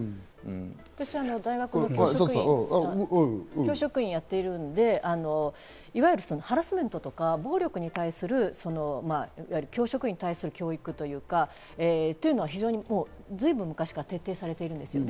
私は大学の教職員をやっているので、いわゆるハラスメントとか暴力に対する教職員に対する教育というのは随分昔から徹底されているんですよ。